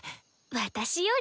私より？